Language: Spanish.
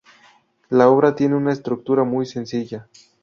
La obra tiene una estructura muy sencilla.